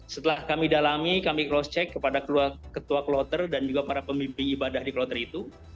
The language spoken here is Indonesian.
setelah kami dalami kami cross check kepada ketua kloter dan juga para pemimpin ibadah di kloter itu